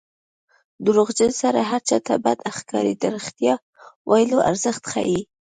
دروغجن سړی هر چا ته بد ښکاري د رښتیا ویلو ارزښت ښيي